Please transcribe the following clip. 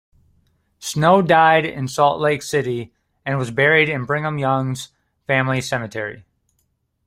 Snow died in Salt Lake City, and was buried in Brigham Young's family cemetery.